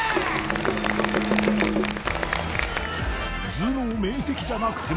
頭脳明晰じゃなくても！